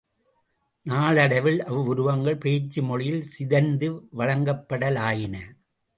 நாளடைவில் அவ்வுருவங்கள் பேச்சு மொழியில் சிதைந்து வழங்கப்படலாயின.